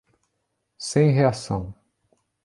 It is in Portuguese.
Sem reação